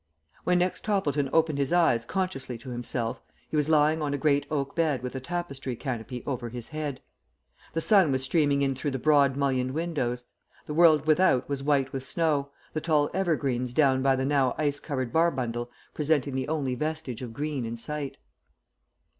When next Toppleton opened his eyes consciously to himself, he was lying on a great oak bed with a tapestry canopy over his head. The sun was streaming in through the broad mullioned windows. The world without was white with snow, the tall evergreens down by the now ice covered Barbundle presenting the only vestige of green in sight.